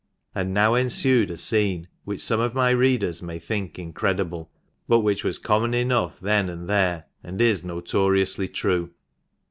And now ensued a scene which some of my readers may think incredible, but which was common enough then, and there, and is notoriously true.